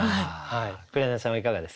紅さんはいかがですか？